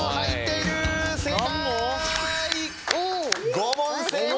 ５問正解！